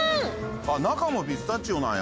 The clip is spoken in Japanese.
中もピスタチオなんや。